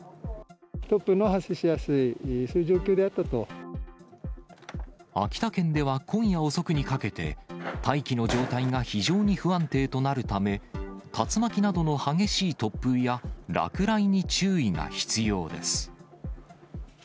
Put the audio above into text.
突風の発生しやすい、秋田県では今夜遅くにかけて、大気の状態が非常に不安定となるため、竜巻などの激しい突風や、落雷に注意が必要です。